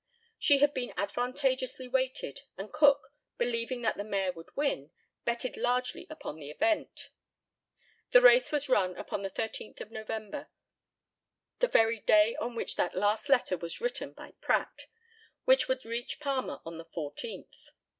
She had been advantageously weighted, and Cook, believing that the mare would win, betted largely upon the event. The race was run upon the 13th of November the very day on which that last letter was written by Pratt, which would reach Palmer on the 14th.